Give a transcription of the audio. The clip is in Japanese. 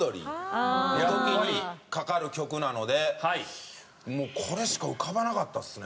ああ！の時にかかる曲なのでもうこれしか浮かばなかったですね